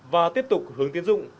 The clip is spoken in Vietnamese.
và tiếp tục hướng tín dụng